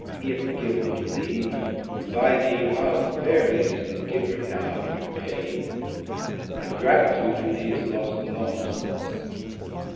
if giv'n to thee, By thee how fairly is the Giver now Repaid? But gratitude in thee is lost Long since.